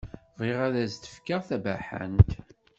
Bɣiɣ ad s-fkeɣ tabaḥant.